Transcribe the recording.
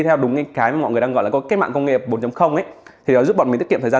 theo đúng cái mà mọi người đang gọi là có kết mạng công nghiệp bốn thì nó giúp bọn mình tiết kiệm thời gian